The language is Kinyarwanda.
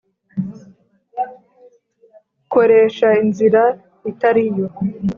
koresha inzira itari yo.